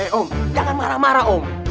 eh om jangan marah marah om